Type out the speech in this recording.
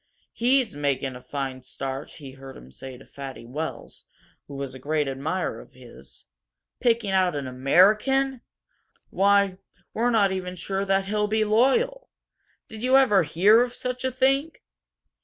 "He's making a fine start," he heard him say to Fatty Wells, who was a great admirer of his. "Picking out an AMERICAN! Why, we're not even sure that he'll be loyal! Did you ever hear of such a thing?"